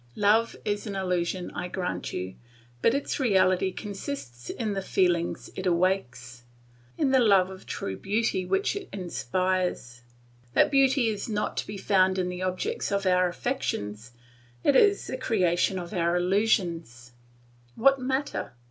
Love is an illusion, I grant you, but its reality consists in the feelings it awakes, in the love of true beauty which it inspires. That beauty is not to be found in the object of our affections, it is the creation of our illusions. What matter!